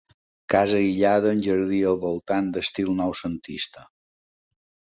Casa aïllada amb jardí al voltant, d'estil noucentista.